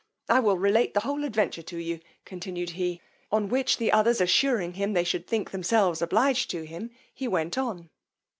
I will relate the whole adventure to you, continued he; on which the others assuring him they should think themselves obliged to him, he went on.